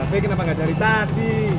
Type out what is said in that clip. tapi kenapa nggak dari tadi